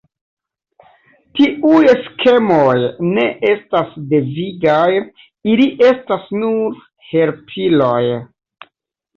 Tiuj skemoj ne estas devigaj, ili estas nur helpiloj.